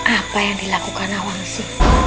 apa yang dilakukan nawangsi